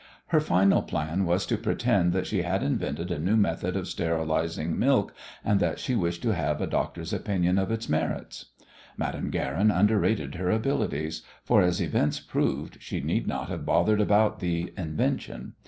Her final plan was to pretend that she had invented a new method of sterilizing milk, and that she wished to have a doctor's opinion of its merits. Madame Guerin underrated her abilities, for, as events proved, she need not have bothered about the "invention."